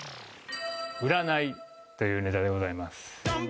占いというネタでございます